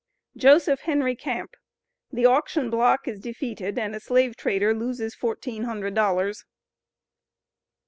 JOSEPH HENRY CAMP. THE AUCTION BLOCK IS DEFEATED AND A SLAVE TRADER LOSES FOURTEEN HUNDRED DOLLARS.